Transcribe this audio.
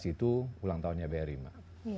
itu kita akan lakukan bazar online